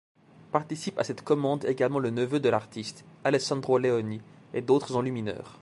Participent à cette commande également le neveu de l'artiste, Alessandro Leoni et d'autres enlumineurs.